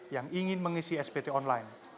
yang ingin mengisi spt online